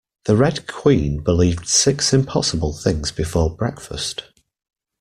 The Red Queen believed six impossible things before breakfast